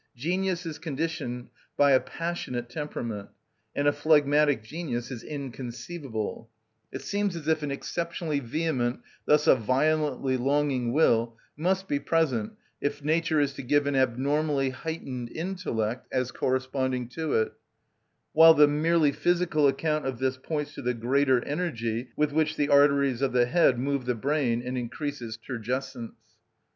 Genius is conditioned by a passionate temperament, and a phlegmatic genius is inconceivable: it seems as if an exceptionally vehement, thus a violently longing, will must be present if nature is to give an abnormally heightened intellect, as corresponding to it; while the merely physical account of this points to the greater energy with which the arteries of the head move the brain and increase its turgescence.